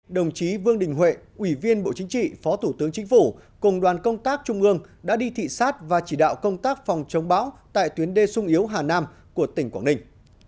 đồng chí vương đình huệ ủy viên bộ chính trị phó thủ tướng chính phủ cùng đoàn công tác trung ương đã đi thị xát và chỉ đạo công tác phòng chống bão tại tuyến đê sung yếu hà nam của tỉnh quảng ninh